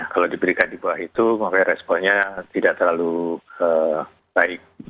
kalau diberikan di bawah itu makanya responnya tidak terlalu baik